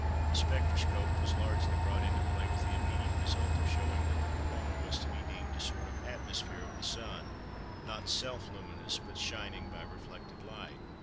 The spectroscope was largely brought into play with the immediate result of showing that the Corona was to be deemed a sort of atmosphere of the Sun, not self luminous, but shining by reflected light.